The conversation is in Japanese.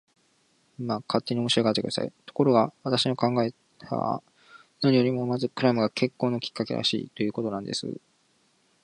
まあ、勝手に面白がって下さい。ところが、私が考えたのは、何よりもまずクラムが結婚のきっかけらしい、ということなんです。